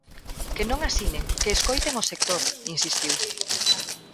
"Que non asinen, que escoiten o sector", insistiu.